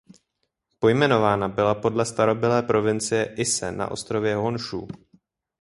Pojmenována byla podle starobylé provincie Ise na ostrově Honšú.